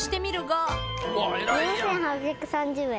４，８３０円。